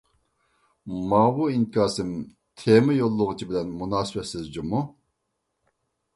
ماۋۇ ئىنكاسىم تېما يوللىغۇچى بىلەن مۇناسىۋەتسىز جۇمۇ!